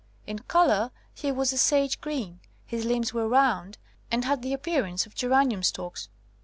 In colour he was a sage green, his limbs were round and had the appearance of geranium stalks.